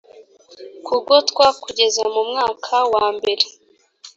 kugotwa kugeza mu mwaka wa mbere